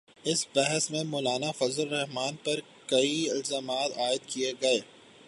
اس بحث میں مولانافضل الرحمن پر کئی الزامات عائد کئے گئے،